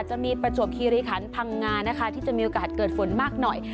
จะมีประจวบคีริคันพังงานะคะที่จะมีโอกาสเกิดฝนมากหน่อย